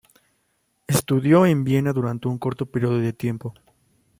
Estudió en Viena durante un corto periodo de tiempo.